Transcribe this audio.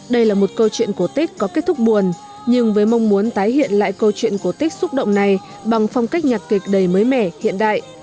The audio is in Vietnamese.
đây là một câu chuyện cổ tích có kết thúc buồn nhưng với mong muốn tái hiện lại câu chuyện cổ tích xúc động này bằng phong cách nhạc kịch đầy mới mẻ hiện đại